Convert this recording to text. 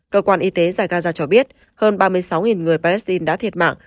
cơ quan y tế giải gaza cho biết hơn ba mươi sáu người palestine đã thiệt mạng